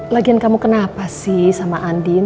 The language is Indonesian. lagian kamu kenapa sih sama andin